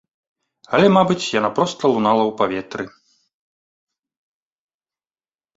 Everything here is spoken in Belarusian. Але, мабыць, яна проста лунала ў паветры.